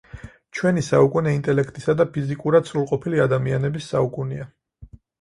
ჩვენი საუკუნე ინტელექტისა და ფიზიკურად სრულყოფილი ადამიანების საუკუნეა.